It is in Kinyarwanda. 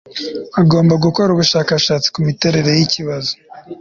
agomba gukora ubushakashatsi ku miterere y'ikibazo